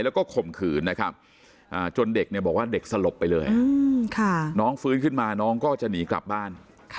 แล้วก็ข่มขืนนะครับจนเด็กเนี่ยบอกว่าเด็กสลบไปเลยน้องฟื้นขึ้นมาน้องก็จะหนีกลับบ้าน